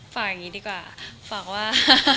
ฝากอย่างนี้ดีกว่าฝากว่า